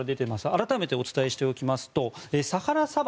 改めてお伝えしておきますとサハラ砂漠。